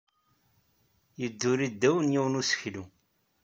Yedduri ddaw yiwen n useklu.